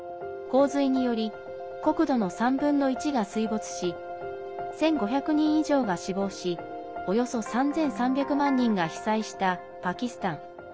洪水により国土の３分の１が水没し１５００人以上が死亡しおよそ３３００万人が被災したパキスタン。